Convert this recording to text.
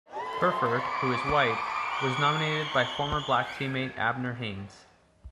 Burford, who is white, was nominated by former black teammate Abner Haynes.